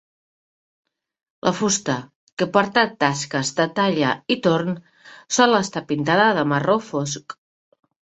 La fusta, que porta tasques de talla i torn, sol estar pintada de marró fosc.